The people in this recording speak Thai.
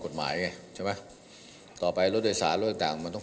กฎหมายไงใช่ไหมต่อไปรถโดยสารรถต่างต่างมันต้อง